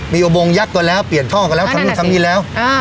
มีโอบงยักษ์ก็แล้วเปลี่ยนท่องก็แล้วอ๋อนั่นแหละสิทำนี้แล้วอ่า